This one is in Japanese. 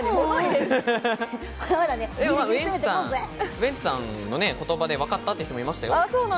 ウエンツさんの言葉でわかったという人もいましたよ。